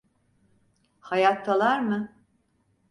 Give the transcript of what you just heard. Hayattalar mı?